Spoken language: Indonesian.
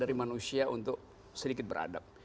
dari manusia untuk sedikit beradab